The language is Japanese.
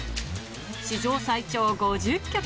史上最長５０曲。